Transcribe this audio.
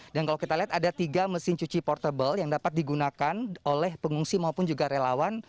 kalau kita lihat ada tiga mesin cuci portable yang dapat digunakan oleh pengungsi maupun juga relawan